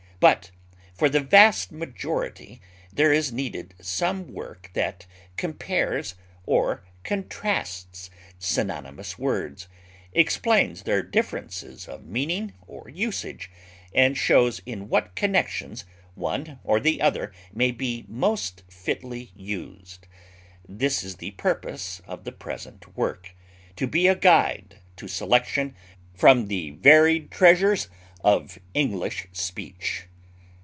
But for the vast majority there is needed some work that compares or contrasts synonymous words, explains their differences of meaning or usage, and shows in what connections one or the other may be most fitly used. This is the purpose of the present work, to be a guide to selection from the varied treasures of English speech.